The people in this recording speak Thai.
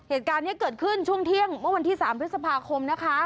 เหตุการณ์นี้เกิดขึ้นช่วงเที่ยงเมื่อวันที่๓พฤษภาคมนะคะ